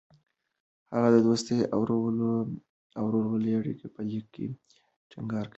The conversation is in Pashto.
هغه د دوستۍ او ورورولۍ اړیکې په لیک کې ټینګار کړې.